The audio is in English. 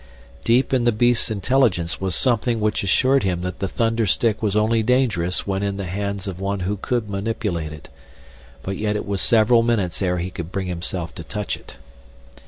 Deep in the beast's intelligence was something which assured him that the thunder stick was only dangerous when in the hands of one who could manipulate it, but yet it was several minutes ere he could bring himself to touch it.